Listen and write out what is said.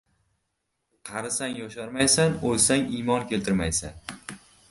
• Qarisang ― yosharmaysan, o‘lsang ― iymon keltirmaysan.